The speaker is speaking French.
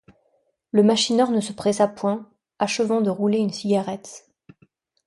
Le machineur ne se pressa point, acheva de rouler une cigarette.